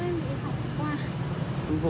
mũi em bị hỏng quá